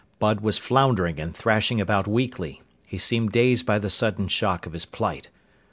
Bud was floundering and thrashing about weakly. He seemed dazed by the sudden shock of his plight.